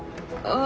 ああ。